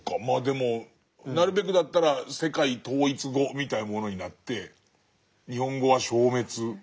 まあでもなるべくだったら世界統一語みたいなものになって日本語は消滅。